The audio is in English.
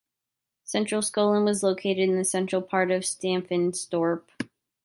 Centralskolan was located in the central part of Staffanstorp.